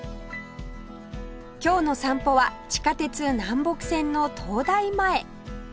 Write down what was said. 今日の散歩は地下鉄南北線の東大前